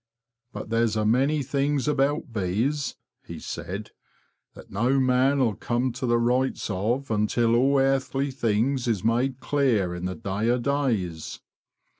'* But there's a many things about bees,"' he said, "that no man 'ull come to the rights of, until all airthly things is made clear in the Day o' Days.